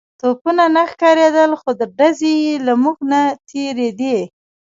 توپونه نه ښکارېدل خو ډزې يې له موږ نه تېرېدې.